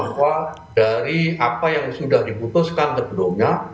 bahwa dari apa yang sudah diputuskan sebelumnya